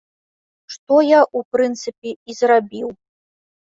Што я, у прынцыпе, і зрабіў.